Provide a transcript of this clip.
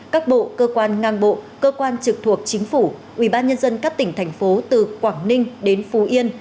các bộ cơ quan ngang bộ cơ quan trực thuộc chính phủ ubnd các tỉnh thành phố từ quảng ninh đến phú yên